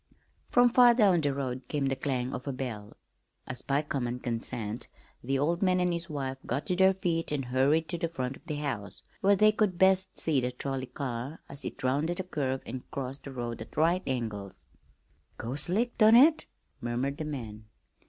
From far down the road came the clang of a bell. As by common consent the old man and his wife got to their feet and hurried to the front of the house where they could best see the trolley car as it rounded a curve and crossed the road at right angles. "Goes slick, don't it?" murmured the man.